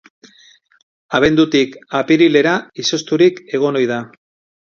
Abendutik apirilera izozturik egon ohi da.